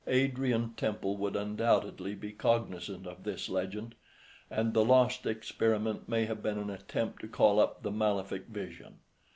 Adrian Temple would undoubtedly be cognisant of this legend, and the lost experiment may have been an attempt to call up the Malefic Vision.